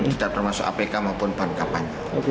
tidak termasuk apk maupun beragakampanye